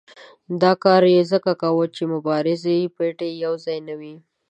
دا کار یې ځکه کاوه چې مبارزې پېټی یو ځای نه وي.